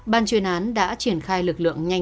là ở trong nhà